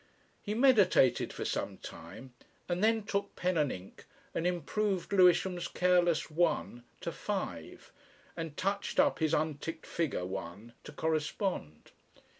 He meditated for some time, and then took pen and ink and improved Lewisham's careless "one" to "five" and touched up his unticked figure one to correspond.